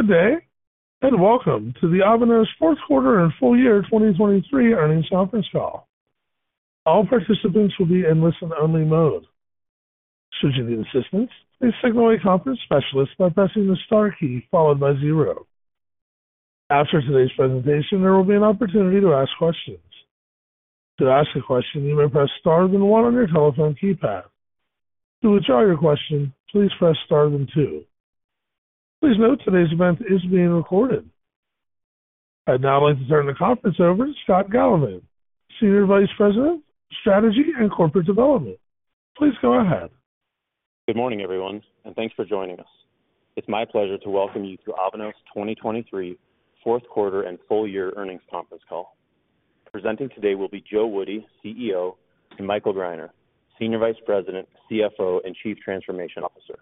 Good day and welcome to the Avanos Medical Fourth Quarter and Full Year 2023 Earnings Conference Call. All participants will be in listen-only mode. Should you need assistance, please signal a conference specialist by pressing the star key followed by 0. After today's presentation, there will be an opportunity to ask questions. To ask a question, you may press star then 1 on your telephone keypad. To withdraw your question, please press star then 2. Please note today's event is being recorded. I'd now like to turn the conference over to Scott Galavan, Senior Vice President, Strategy and Corporate Development. Please go ahead. Good morning, everyone, and thanks for joining us. It's my pleasure to welcome you to Avanos 2023 Fourth Quarter and Full Year Earnings Conference Call. Presenting today will be Joe Woody, CEO, and Michael Greiner, Senior Vice President, CFO, and Chief Transformation Officer.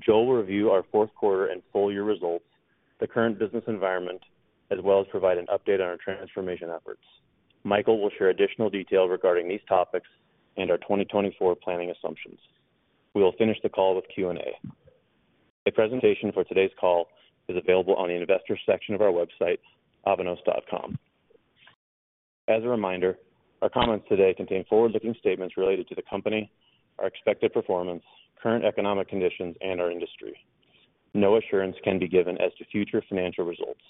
Joe will review our Fourth Quarter and Full Year results, the current business environment, as well as provide an update on our transformation efforts. Michael will share additional detail regarding these topics and our 2024 planning assumptions. We will finish the call with Q&A. A presentation for today's call is available on the investors section of our website, avanos.com. As a reminder, our comments today contain forward-looking statements related to the company, our expected performance, current economic conditions, and our industry. No assurance can be given as to future financial results.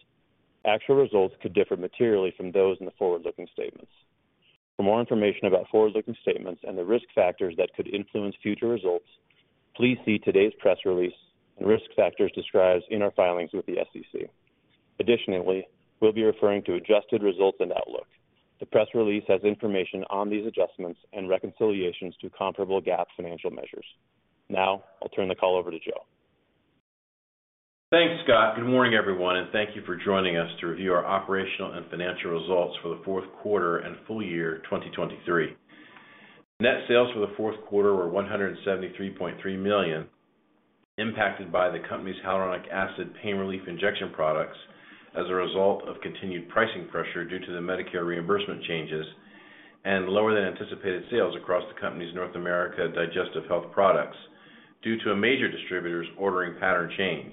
Actual results could differ materially from those in the forward-looking statements. For more information about forward-looking statements and the risk factors that could influence future results, please see today's press release and risk factors described in our filings with the SEC. Additionally, we'll be referring to adjusted results and outlook. The press release has information on these adjustments and reconciliations to comparable GAAP financial measures. Now I'll turn the call over to Joe. Thanks, Scott. Good morning, everyone, and thank you for joining us to review our operational and financial results for the Fourth Quarter and Full Year 2023. Net sales for the Fourth Quarter were $173.3 million, impacted by the company's hyaluronic acid pain relief injection products as a result of continued pricing pressure due to the Medicare reimbursement changes, and lower than anticipated sales across the company's North America digestive health products due to a major distributor's ordering pattern change.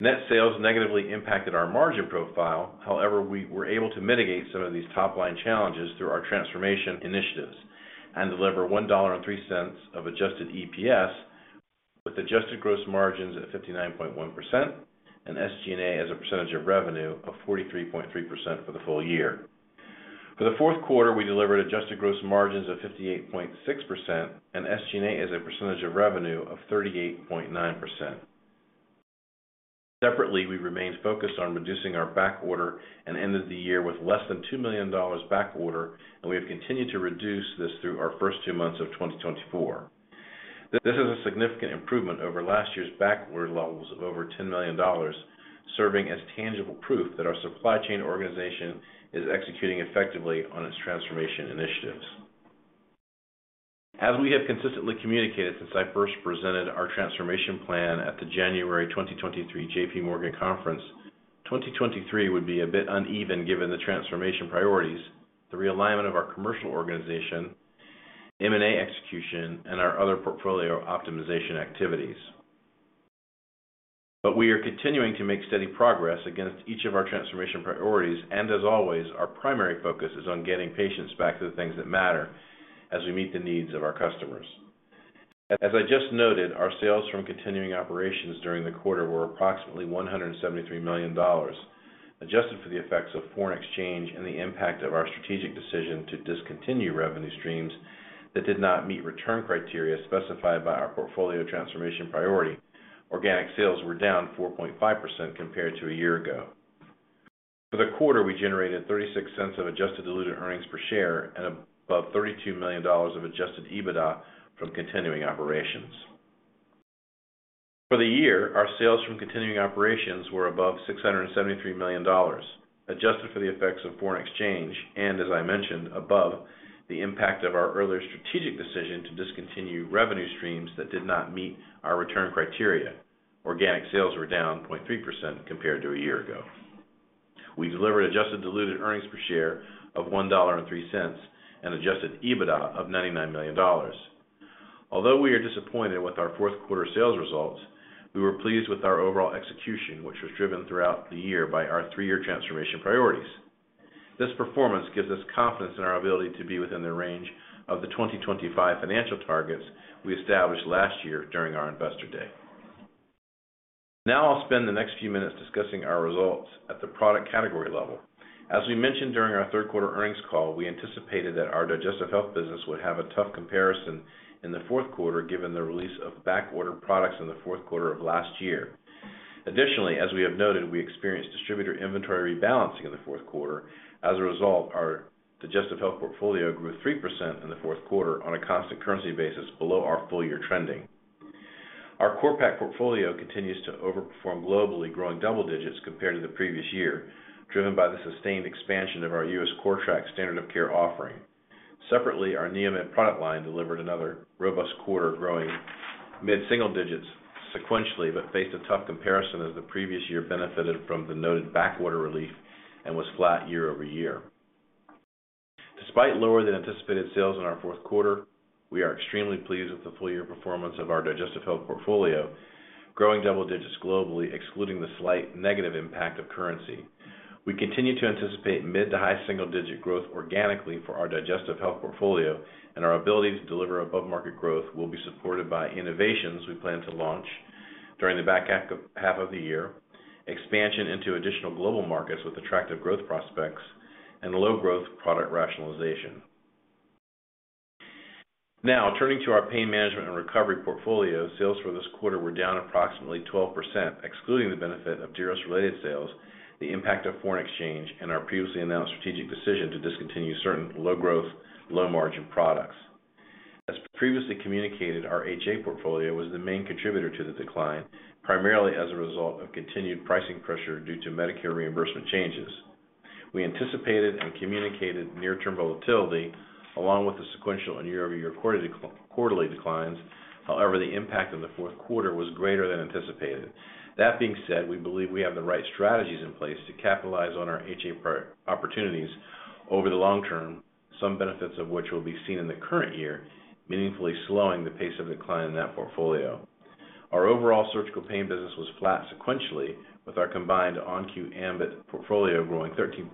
Net sales negatively impacted our margin profile. However, we were able to mitigate some of these top-line challenges through our transformation initiatives and deliver $1.03 of adjusted EPS with adjusted gross margins at 59.1% and SG&A as a percentage of revenue of 43.3% for the full year. For the Fourth Quarter, we delivered adjusted gross margins of 58.6% and SG&A as a percentage of revenue of 38.9%. Separately, we remained focused on reducing our back order and ended the year with less than $2 million back order, and we have continued to reduce this through our first two months of 2024. This is a significant improvement over last year's back order levels of over $10 million, serving as tangible proof that our supply chain organization is executing effectively on its transformation initiatives. As we have consistently communicated since I first presented our transformation plan at the January 2023 J.P. Morgan Conference, 2023 would be a bit uneven given the transformation priorities, the realignment of our commercial organization, M&A execution, and our other portfolio optimization activities. But we are continuing to make steady progress against each of our transformation priorities, and as always, our primary focus is on getting patients back to the things that matter as we meet the needs of our customers. As I just noted, our sales from continuing operations during the quarter were approximately $173 million, adjusted for the effects of foreign exchange and the impact of our strategic decision to discontinue revenue streams that did not meet return criteria specified by our portfolio transformation priority. Organic sales were down 4.5% compared to a year ago. For the quarter, we generated $0.36 of adjusted diluted earnings per share and above $32 million of adjusted EBITDA from continuing operations. For the year, our sales from continuing operations were above $673 million, adjusted for the effects of foreign exchange and, as I mentioned, above the impact of our earlier strategic decision to discontinue revenue streams that did not meet our return criteria. Organic sales were down 0.3% compared to a year ago. We delivered adjusted diluted earnings per share of $1.03 and adjusted EBITDA of $99 million. Although we are disappointed with our Fourth Quarter sales results, we were pleased with our overall execution, which was driven throughout the year by our three-year transformation priorities. This performance gives us confidence in our ability to be within the range of the 2025 financial targets we established last year during our investor day. Now I'll spend the next few minutes discussing our results at the product category level. As we mentioned during our Third Quarter Earnings Call, we anticipated that our digestive health business would have a tough comparison in the Fourth Quarter given the release of back ordered products in the Fourth Quarter of last year. Additionally, as we have noted, we experienced distributor inventory rebalancing in the Fourth Quarter. As a result, our digestive health portfolio grew 3% in the Fourth Quarter on a constant currency basis below our full year trending. Our CORPAK portfolio continues to overperform globally, growing double digits compared to the previous year, driven by the sustained expansion of our U.S. CORTRAK standard of care offering. Separately, our NeoMed product line delivered another robust quarter growing mid-single digits sequentially but faced a tough comparison as the previous year benefited from the noted back order relief and was flat year-over-year. Despite lower than anticipated sales in our Fourth Quarter, we are extremely pleased with the full year performance of our digestive health portfolio, growing double digits globally excluding the slight negative impact of currency. We continue to anticipate mid- to high-single-digit growth organically for our digestive health portfolio, and our ability to deliver above market growth will be supported by innovations we plan to launch during the back half of the year, expansion into additional global markets with attractive growth prospects, and low growth product rationalization. Now, turning to our pain management and recovery portfolio, sales for this quarter were down approximately 12% excluding the benefit of Diros-related sales, the impact of foreign exchange, and our previously announced strategic decision to discontinue certain low growth, low margin products. As previously communicated, our HA portfolio was the main contributor to the decline, primarily as a result of continued pricing pressure due to Medicare reimbursement changes. We anticipated and communicated near-term volatility along with the sequential and year-over-year quarterly declines. However, the impact in the Fourth Quarter was greater than anticipated. That being said, we believe we have the right strategies in place to capitalize on our HA opportunities over the long term, some benefits of which will be seen in the current year meaningfully slowing the pace of decline in that portfolio. Our overall surgical pain business was flat sequentially with our combined ON-Q ambIT portfolio growing 13%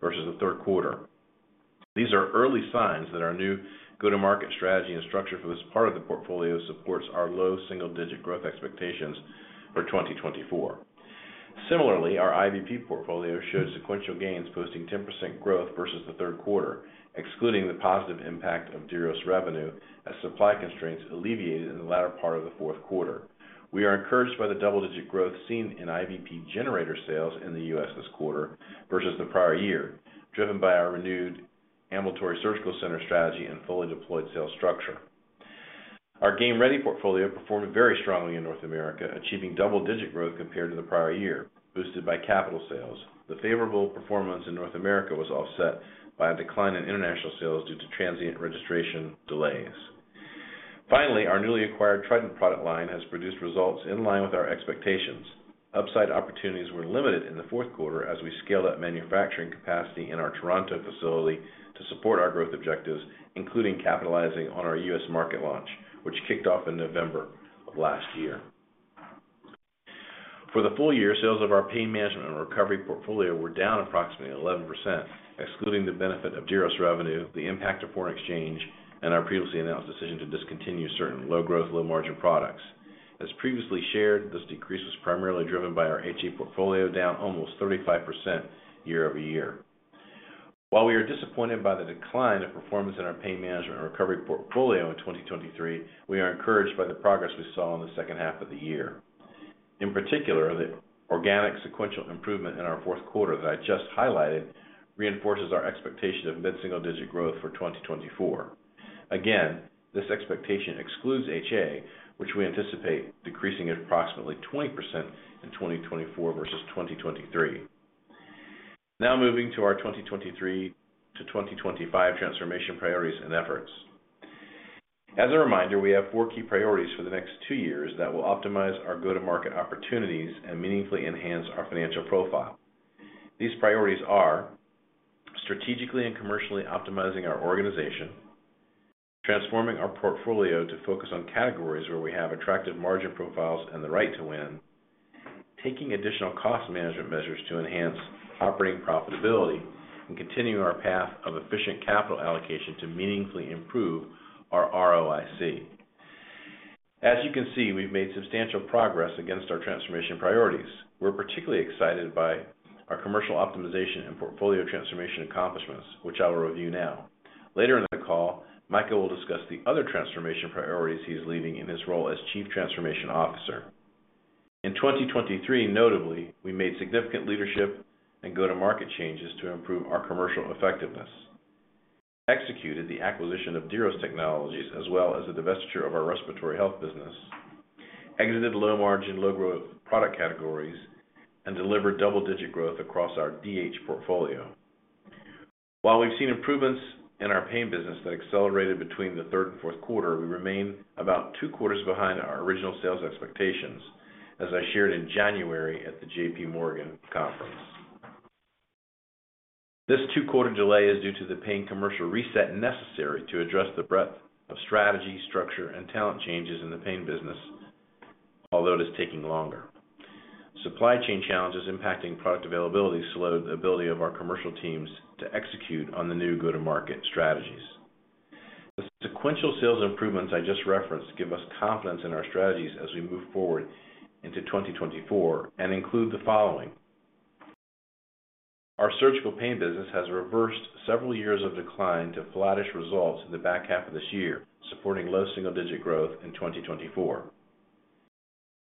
versus the Third Quarter. These are early signs that our new go-to-market strategy and structure for this part of the portfolio supports our low single digit growth expectations for 2024. Similarly, our IVP portfolio showed sequential gains posting 10% growth versus the Third Quarter, excluding the positive impact of Diros revenue as supply constraints alleviated in the latter part of the Fourth Quarter. We are encouraged by the double-digit growth seen in IVP generator sales in the U.S. this quarter versus the prior year, driven by our renewed ambulatory surgical center strategy and fully deployed sales structure. Our Game Ready portfolio performed very strongly in North America, achieving double-digit growth compared to the prior year, boosted by capital sales. The favorable performance in North America was offset by a decline in international sales due to transient registration delays. Finally, our newly acquired Trident product line has produced results in line with our expectations. Upside opportunities were limited in the Fourth Quarter as we scaled up manufacturing capacity in our Toronto facility to support our growth objectives, including capitalizing on our U.S. market launch, which kicked off in November of last year. For the full year, sales of our pain management and recovery portfolio were down approximately 11% excluding the benefit of Diros revenue, the impact of foreign exchange, and our previously announced decision to discontinue certain low growth, low margin products. As previously shared, this decrease was primarily driven by our HA portfolio down almost 35% year-over-year. While we are disappointed by the decline of performance in our pain management and recovery portfolio in 2023, we are encouraged by the progress we saw in the second half of the year. In particular, the organic sequential improvement in our fourth quarter that I just highlighted reinforces our expectation of mid-single digit growth for 2024. Again, this expectation excludes HA, which we anticipate decreasing approximately 20% in 2024 versus 2023. Now moving to our 2023 to 2025 transformation priorities and efforts. As a reminder, we have four key priorities for the next two years that will optimize our go-to-market opportunities and meaningfully enhance our financial profile. These priorities are: strategically and commercially optimizing our organization, transforming our portfolio to focus on categories where we have attractive margin profiles and the right to win, taking additional cost management measures to enhance operating profitability, and continuing our path of efficient capital allocation to meaningfully improve our ROIC. As you can see, we've made substantial progress against our transformation priorities. We're particularly excited by our commercial optimization and portfolio transformation accomplishments, which I will review now. Later in the call, Michael will discuss the other transformation priorities he's leading in his role as Chief Transformation Officer. In 2023, notably, we made significant leadership and go-to-market changes to improve our commercial effectiveness, executed the acquisition of Diros Technology Inc. as well as the divestiture of our respiratory health business, exited low margin, low growth product categories, and delivered double-digit growth across our DH portfolio. While we've seen improvements in our pain business that accelerated between the third and fourth quarter, we remain about two quarters behind our original sales expectations, as I shared in January at the J.P. Morgan Conference. This two-quarter delay is due to the pain commercial reset necessary to address the breadth of strategy, structure, and talent changes in the pain business, although it is taking longer. Supply chain challenges impacting product availability slowed the ability of our commercial teams to execute on the new go-to-market strategies. The sequential sales improvements I just referenced give us confidence in our strategies as we move forward into 2024 and include the following: our surgical pain business has reversed several years of decline to flatish results in the back half of this year, supporting low single-digit growth in 2024.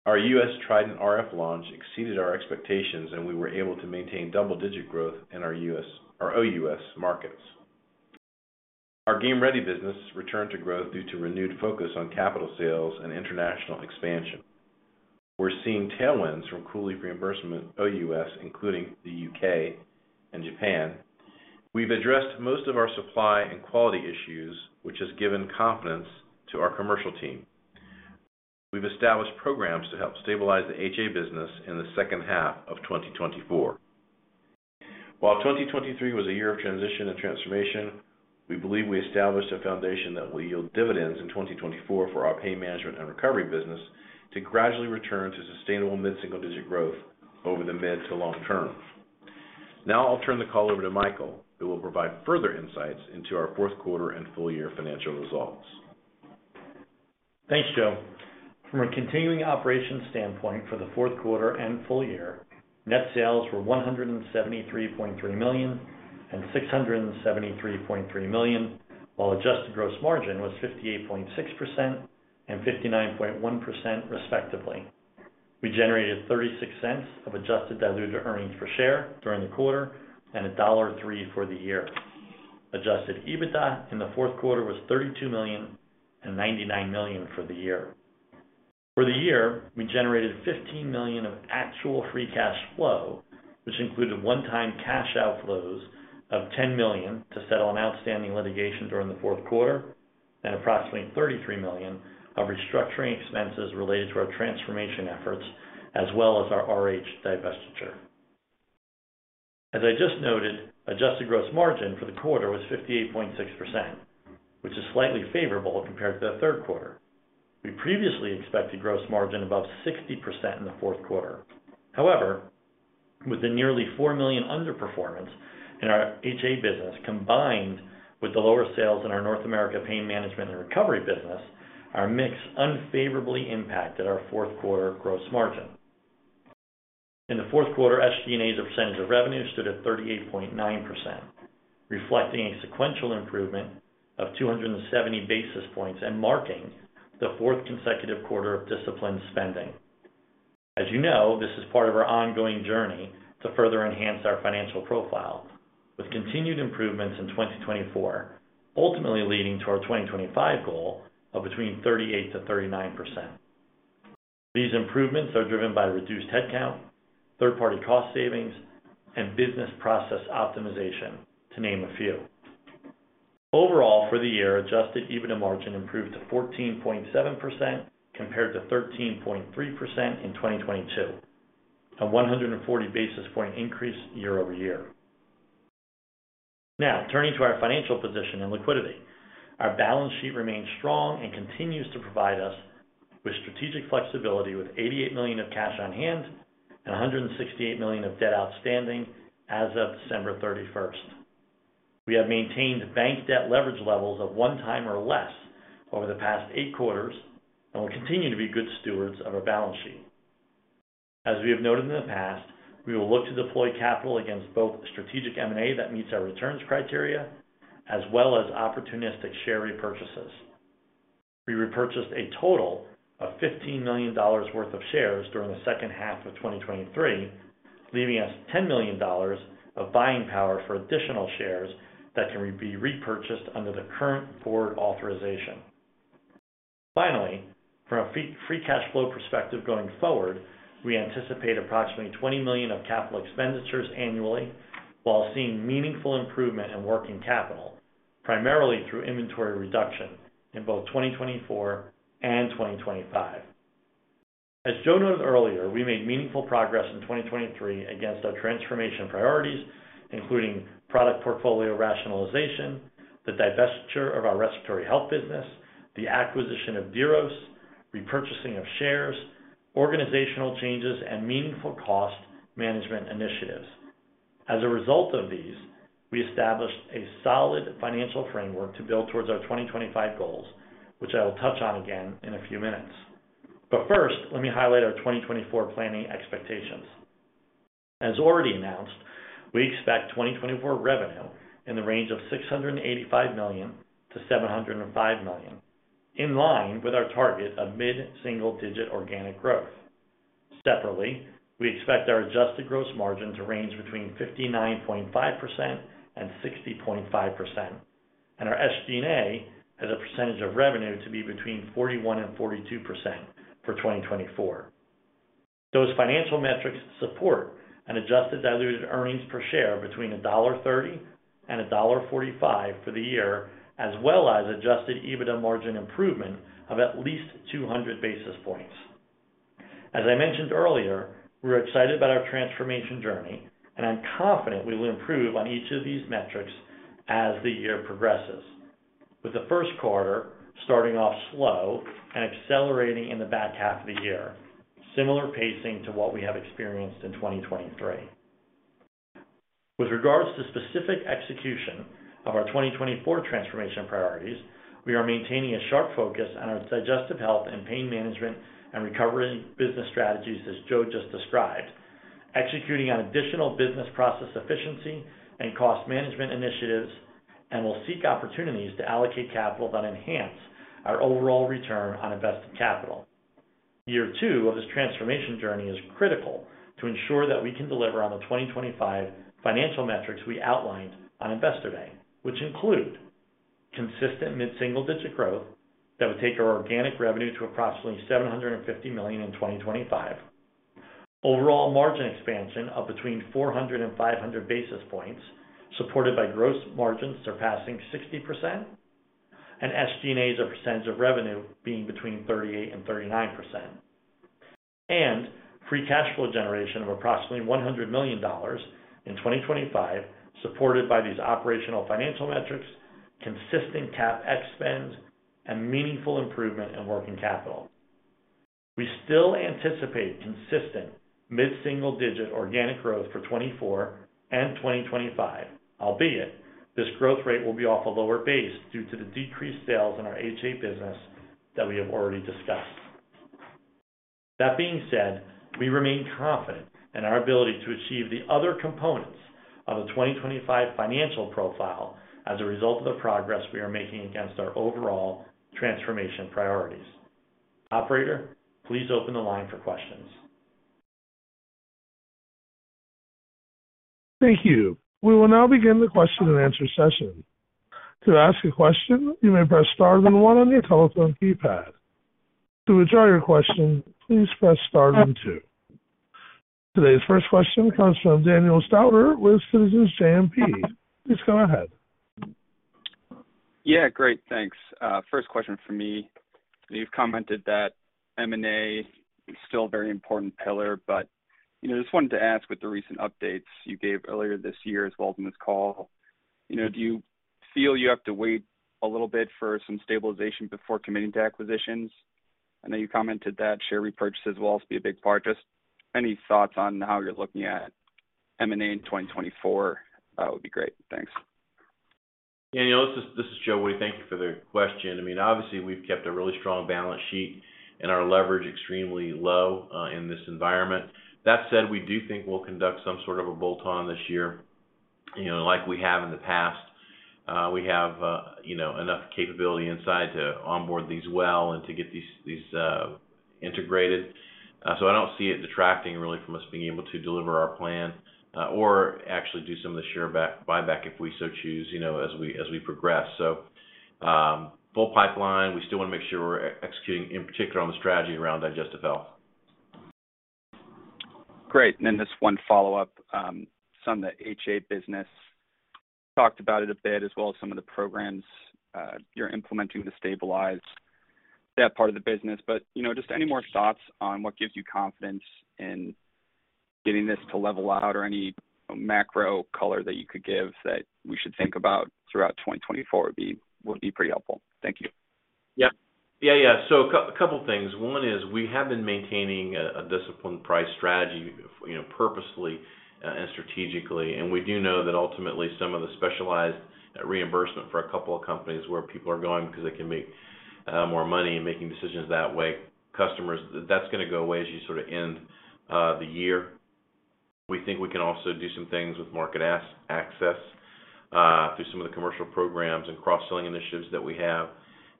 Our U.S. TRIDENT RF launch exceeded our expectations, and we were able to maintain double-digit growth in our U.S. and OUS markets. Our Game Ready business returned to growth due to renewed focus on capital sales and international expansion. We're seeing tailwinds from COOLIEF reimbursement OUS, including the U.K. and Japan. We've addressed most of our supply and quality issues, which has given confidence to our commercial team. We've established programs to help stabilize the HA business in the second half of 2024. While 2023 was a year of transition and transformation, we believe we established a foundation that will yield dividends in 2024 for our Pain Management and Recovery business to gradually return to sustainable mid-single-digit growth over the mid- to long-term. Now I'll turn the call over to Michael, who will provide further insights into our Fourth Quarter and full-year financial results. Thanks, Joe. From a continuing operations standpoint for the Fourth Quarter and full year, net sales were $173.3 million and $673.3 million, while adjusted gross margin was 58.6% and 59.1% respectively. We generated $0.36 of adjusted diluted earnings per share during the quarter and $1.03 for the year. Adjusted EBITDA in the Fourth Quarter was $32 million and $99 million for the year. For the year, we generated $15 million of actual free cash flow, which included one-time cash outflows of $10 million to settle an outstanding litigation during the Fourth Quarter and approximately $33 million of restructuring expenses related to our transformation efforts as well as our RH divestiture. As I just noted, adjusted gross margin for the quarter was 58.6%, which is slightly favorable compared to the Third Quarter. We previously expected gross margin above 60% in the Fourth Quarter. However, with the nearly $4 million underperformance in our HA business combined with the lower sales in our North America pain management and recovery business, our mix unfavorably impacted our Fourth Quarter gross margin. In the Fourth Quarter, SG&A's percentage of revenue stood at 38.9%, reflecting a sequential improvement of 270 basis points and marking the fourth consecutive quarter of disciplined spending. As you know, this is part of our ongoing journey to further enhance our financial profile with continued improvements in 2024, ultimately leading to our 2025 goal of between 38% to 39%. These improvements are driven by reduced headcount, third-party cost savings, and business process optimization, to name a few. Overall, for the year, Adjusted EBITDA margin improved to 14.7% compared to 13.3% in 2022, a 140 basis point increase year-over-year. Now, turning to our financial position and liquidity, our balance sheet remains strong and continues to provide us with strategic flexibility with $88 million of cash on hand and $168 million of debt outstanding as of December 31st. We have maintained bank debt leverage levels of one time or less over the past eight quarters and will continue to be good stewards of our balance sheet. As we have noted in the past, we will look to deploy capital against both strategic M&A that meets our returns criteria as well as opportunistic share repurchases. We repurchased a total of $15 million worth of shares during the second half of 2023, leaving us $10 million of buying power for additional shares that can be repurchased under the current board authorization. Finally, from a free cash flow perspective going forward, we anticipate approximately $20 million of capital expenditures annually while seeing meaningful improvement in working capital, primarily through inventory reduction in both 2024 and 2025. As Joe noted earlier, we made meaningful progress in 2023 against our transformation priorities, including product portfolio rationalization, the divestiture of our respiratory health business, the acquisition of Diros, repurchasing of shares, organizational changes, and meaningful cost management initiatives. As a result of these, we established a solid financial framework to build towards our 2025 goals, which I will touch on again in a few minutes. But first, let me highlight our 2024 planning expectations. As already announced, we expect 2024 revenue in the range of $685 million to $705 million, in line with our target of mid-single-digit organic growth. Separately, we expect our adjusted gross margin to range between 59.5% and 60.5%, and our SG&A as a percentage of revenue to be between 41% and 42% for 2024. Those financial metrics support an adjusted diluted earnings per share between $1.30 and $1.45 for the year, as well as adjusted EBITDA margin improvement of at least 200 basis points. As I mentioned earlier, we're excited about our transformation journey, and I'm confident we will improve on each of these metrics as the year progresses, with the first quarter starting off slow and accelerating in the back half of the year, similar pacing to what we have experienced in 2023. With regards to specific execution of our 2024 transformation priorities, we are maintaining a sharp focus on our digestive health and pain management and recovery business strategies, as Joe just described, executing on additional business process efficiency and cost management initiatives, and will seek opportunities to allocate capital that enhance our overall return on invested capital. Year two of this transformation journey is critical to ensure that we can deliver on the 2025 financial metrics we outlined on Investor Day, which include: consistent mid-single digit growth that would take our organic revenue to approximately $750 million in 2025. Overall margin expansion of between 400 to 500 basis points, supported by gross margins surpassing 60%, and SG&A's percentage of revenue being between 38% to 39%. And free cash flow generation of approximately $100 million in 2025, supported by these operational financial metrics, consistent CapEx, and meaningful improvement in working capital. We still anticipate consistent mid-single-digit organic growth for 2024 and 2025, albeit this growth rate will be off a lower base due to the decreased sales in our HA business that we have already discussed. That being said, we remain confident in our ability to achieve the other components of a 2025 financial profile as a result of the progress we are making against our overall transformation priorities. Operator, please open the line for questions. Thank you. We will now begin the question and answer session. To ask a question, you may press star and one on your telephone keypad. To withdraw your question, please press star and two. Today's first question comes from Daniel Stauder with Citizens JMP. Please go ahead. Yeah, great. Thanks. First question for me. You've commented that M&A is still a very important pillar, but just wanted to ask with the recent updates you gave earlier this year as well as in this call, do you feel you have to wait a little bit for some stabilization before committing to acquisitions? I know you commented that share repurchases will also be a big part. Just any thoughts on how you're looking at M&A in 2024, that would be great. Thanks. Daniel, this is Joe Woody. Thank you for the question. I mean, obviously, we've kept a really strong balance sheet, and our leverage is extremely low in this environment. That said, we do think we'll conduct some sort of a bolt-on this year like we have in the past. We have enough capability inside to onboard these well and to get these integrated. So I don't see it detracting really from us being able to deliver our plan or actually do some of the share buyback if we so choose as we progress. So full pipeline. We still want to make sure we're executing, in particular, on the strategy around digestive health. Great. And then just one follow-up. Some of the HA business talked about it a bit, as well as some of the programs you're implementing to stabilize that part of the business. But just any more thoughts on what gives you confidence in getting this to level out or any macro color that you could give that we should think about throughout 2024 would be pretty helpful. Thank you. Yeah. Yeah, yeah. So a couple of things. One is we have been maintaining a disciplined price strategy purposely and strategically. We do know that ultimately, some of the specialized reimbursement for a couple of companies where people are going because they can make more money and making decisions that way, customers, that's going to go away as you sort of end the year. We think we can also do some things with market access through some of the commercial programs and cross-selling initiatives that we have.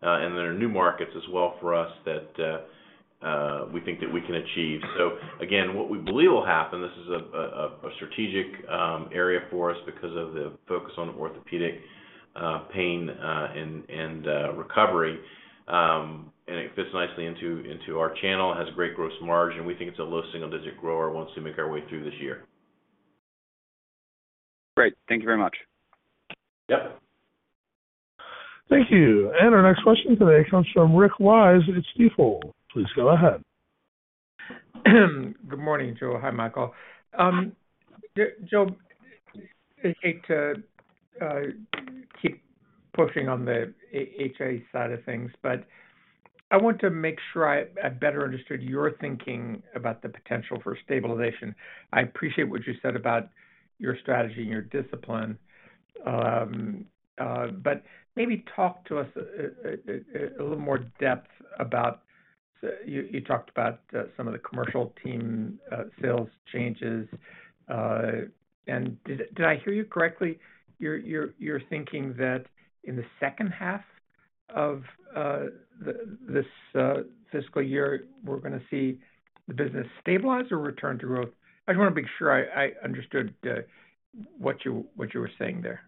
There are new markets as well for us that we think that we can achieve. So again, what we believe will happen. This is a strategic area for us because of the focus on orthopedic pain and recovery. And it fits nicely into our channel, has a great gross margin, and we think it's a low single digit grower once we make our way through this year. Great. Thank you very much. Yep. Thank you. Our next question today comes from Rick Wise at Stifel. Please go ahead. Good morning, Joe. Hi, Michael. Joe, I hate to keep pushing on the HA side of things, but I want to make sure I better understood your thinking about the potential for stabilization. I appreciate what you said about your strategy and your discipline, but maybe talk to us a little more depth about you talked about some of the commercial team sales changes. And did I hear you correctly? You're thinking that in the second half of this fiscal year, we're going to see the business stabilize or return to growth? I just want to make sure I understood what you were saying there.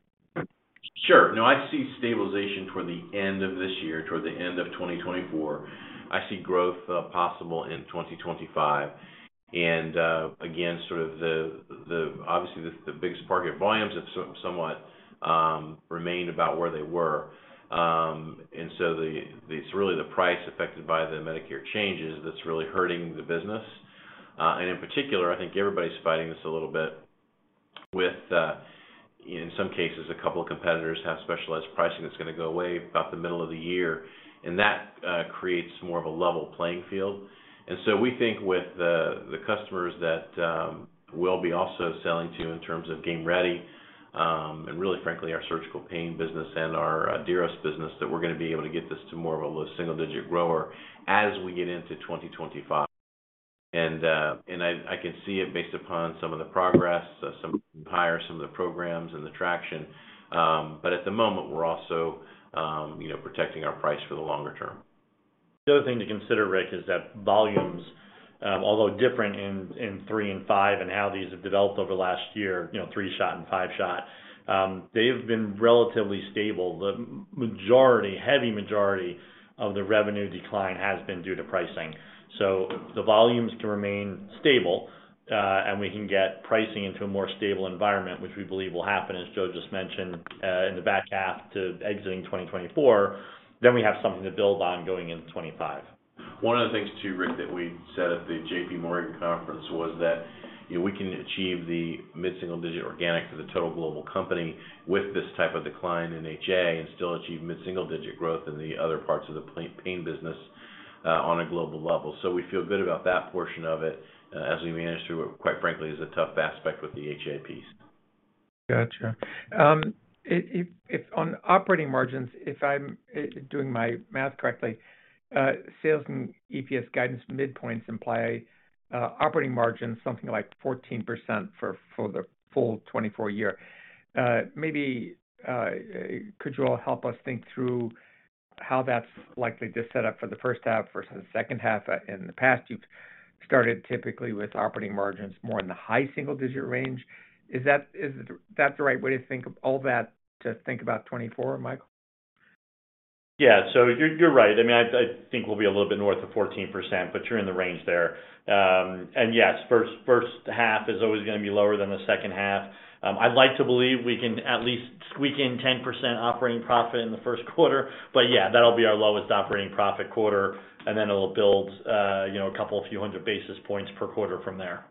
Sure. No, I see stabilization toward the end of this year, toward the end of 2024. I see growth possible in 2025. And again, sort of obviously, the biggest part of your volumes have somewhat remained about where they were. And so it's really the price affected by the Medicare changes that's really hurting the business. And in particular, I think everybody's fighting this a little bit with, in some cases, a couple of competitors have specialized pricing that's going to go away about the middle of the year. And that creates more of a level playing field. And so we think with the customers that we'll be also selling to in terms of Game Ready and, really frankly, our surgical pain business and our Diros business that we're going to be able to get this to more of a low single-digit grower as we get into 2025. I can see it based upon some of the progress, some higher, some of the programs and the traction. But at the moment, we're also protecting our price for the longer term. The other thing to consider, Rick, is that volumes, although different in three and five and how these have developed over the last year, three-shot and five-shot, they have been relatively stable. The heavy majority of the revenue decline has been due to pricing. So the volumes can remain stable, and we can get pricing into a more stable environment, which we believe will happen, as Joe just mentioned, in the back half to exiting 2024. Then we have something to build on going into 2025. One of the things too, Rick, that we said at the J.P. Morgan conference was that we can achieve the mid-single digit organic for the total global company with this type of decline in HA and still achieve mid-single digit growth in the other parts of the pain business on a global level. So we feel good about that portion of it as we manage through what, quite frankly, is a tough aspect with the HA piece. Gotcha. On operating margins, if I'm doing my math correctly, sales and EPS guidance midpoints imply operating margins, something like 14% for the full 2024 year. Maybe could you all help us think through how that's likely to set up for the first half versus the second half? In the past, you've started typically with operating margins more in the high single digit range. Is that the right way to think of all that to think about 2024, Michael? Yeah, so you're right. I mean, I think we'll be a little bit north of 14%, but you're in the range there. And yes, first half is always going to be lower than the second half. I'd like to believe we can at least squeak in 10% operating profit in the first quarter. But yeah, that'll be our lowest operating profit quarter, and then it'll build a couple, a few hundred basis points per quarter from there.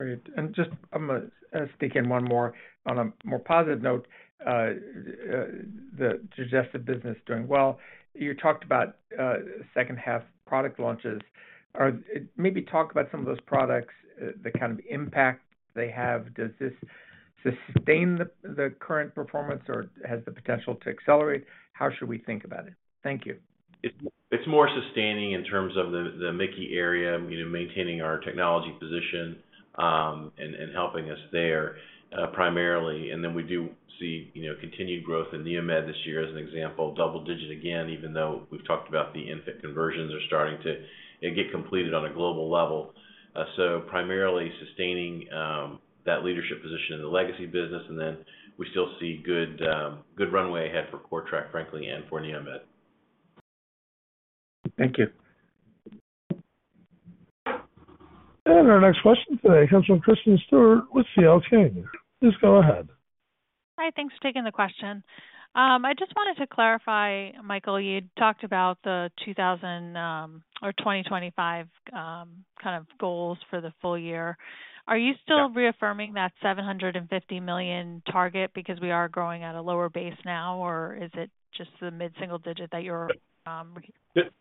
Great. And just, I'm going to sneak in one more on a more positive note, the digestive business doing well. You talked about second half product launches. Maybe talk about some of those products, the kind of impact they have. Does this sustain the current performance, or has the potential to accelerate? How should we think about it? Thank you. It's more sustaining in terms of the MIC-KEY area, maintaining our technology position and helping us there primarily. And then we do see continued growth in NeoMed this year as an example, double digit again, even though we've talked about the infant conversions are starting to get completed on a global level. So primarily sustaining that leadership position in the legacy business. And then we still see good runway ahead for CORTRAK, frankly, and for NeoMed. Thank you. Our next question today comes from Kristen Stewart with CL King. Please go ahead. Hi. Thanks for taking the question. I just wanted to clarify, Michael, you talked about the 2025 kind of goals for the full year. Are you still reaffirming that $750 million target because we are growing at a lower base now, or is it just the mid-single digit that you're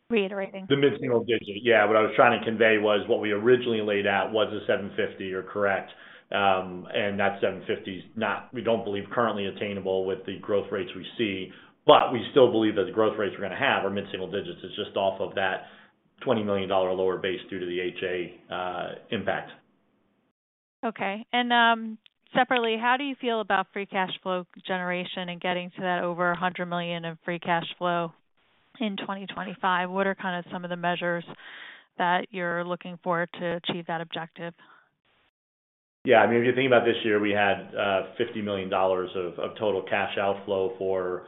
reiterating? The mid-single digit. Yeah. What I was trying to convey was what we originally laid out was a $750, you're correct. And that $750 is not, we don't believe, currently attainable with the growth rates we see. But we still believe that the growth rates we're going to have are mid-single digits. It's just off of that $20 million lower base due to the HA impact. Okay. And separately, how do you feel about free cash flow generation and getting to that over $100 million of free cash flow in 2025? What are kind of some of the measures that you're looking for to achieve that objective? Yeah. I mean, if you think about this year, we had $50 million of total cash outflow for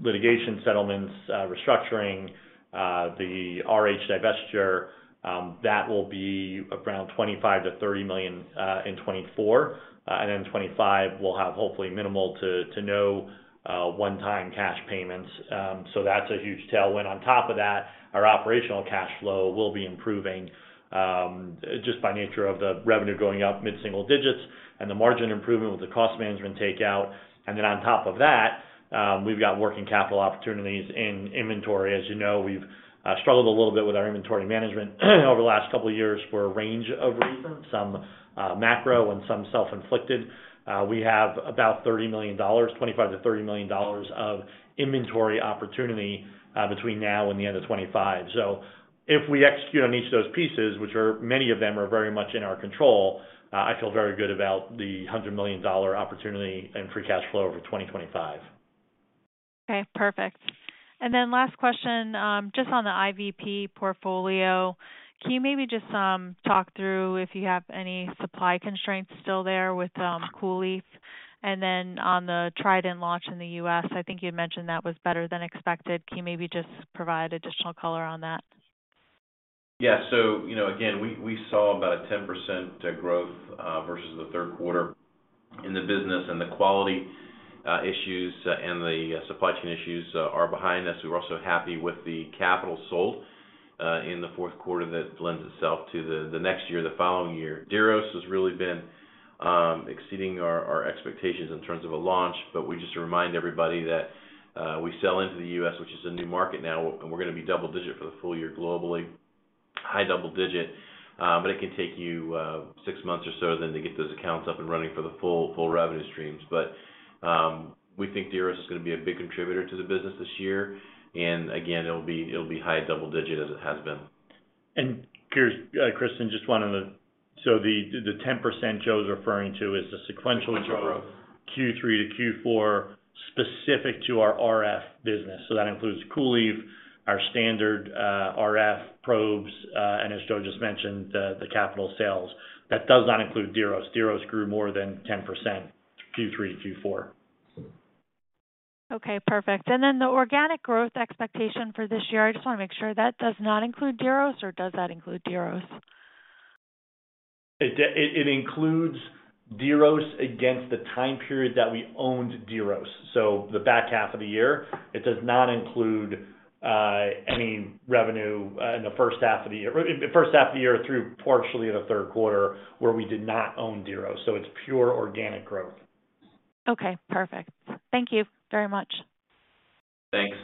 litigation settlements, restructuring, the RH divestiture. That will be around $25 to $30 million in 2024. And then 2025, we'll have hopefully minimal to no one-time cash payments. So that's a huge tailwind. On top of that, our operational cash flow will be improving just by nature of the revenue going up mid-single digits and the margin improvement with the cost management takeout. And then on top of that, we've got working capital opportunities in inventory. As you know, we've struggled a little bit with our inventory management over the last couple of years for a range of reasons, some macro and some self-inflicted. We have about $25 to $30 million of inventory opportunity between now and the end of 2025. So if we execute on each of those pieces, which many of them are very much in our control, I feel very good about the $100 million opportunity and free cash flow over 2025. Okay. Perfect. And then last question, just on the IVP portfolio, can you maybe just talk through if you have any supply constraints still there with COOLIEF? And then on the TRIDENT launch in the U.S., I think you had mentioned that was better than expected. Can you maybe just provide additional color on that? Yeah. So again, we saw about a 10% growth versus the third quarter. In the business, and the quality issues and the supply chain issues are behind us. We were also happy with the capital sold in the fourth quarter that lends itself to the next year, the following year. Diros has really been exceeding our expectations in terms of a launch. But just to remind everybody that we sell into the U.S., which is a new market now, and we're going to be double digit for the full year globally, high double digit. But it can take you six months or so then to get those accounts up and running for the full revenue streams. But we think Diros is going to be a big contributor to the business this year. And again, it'll be high double digit as it has been. Here's, Kristen, just one of the so the 10% Joe's referring to is the sequential growth. Q3 to Q4 specific to our RF business. So that includes COOLIEF, our standard RF probes, and as Joe just mentioned, the capital sales. That does not include Diros. Diros grew more than 10% Q3 to Q4. Okay. Perfect. And then the organic growth expectation for this year, I just want to make sure that does not include Diros, or does that include Diros? It includes Diros against the time period that we owned Diros. So the back half of the year, it does not include any revenue in the first half of the year first half of the year through partially in the third quarter where we did not own Diros. So it's pure organic growth. Okay. Perfect. Thank you very much. Thanks.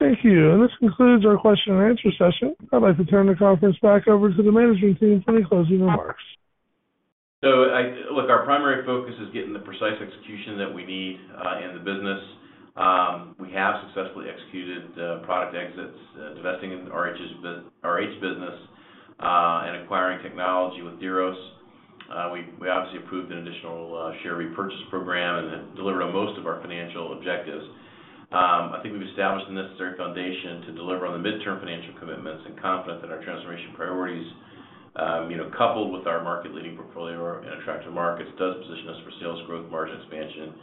Thank you. This concludes our question and answer session. I'd like to turn the conference back over to the management team for any closing remarks. So look, our primary focus is getting the precise execution that we need in the business. We have successfully executed product exits, divesting in RH business, and acquiring technology with Diros. We obviously approved an additional share repurchase program and delivered on most of our financial objectives. I think we've established the necessary foundation to deliver on the midterm financial commitments and confident that our transformation priorities, coupled with our market-leading portfolio and attractive markets, does position us for sales growth, margin expansion,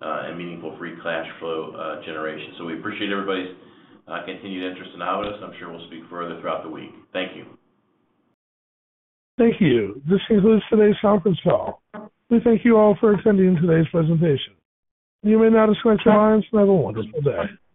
and meaningful free cash flow generation. So we appreciate everybody's continued interest in Avanos. I'm sure we'll speak further throughout the week. Thank you. Thank you. This concludes today's conference call. We thank you all for attending today's presentation. You may now disconnect your lines and have a wonderful day.